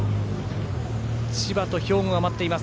千葉と兵庫が待っています。